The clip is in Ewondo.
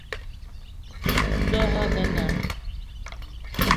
Ndɔ hm a nə naa.